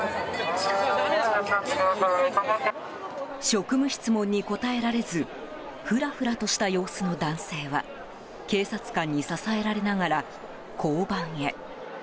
職務質問に答えられずふらふらとした様子の男性は警察官に支えられながら交番へ。